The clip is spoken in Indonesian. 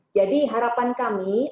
jadi harapan kami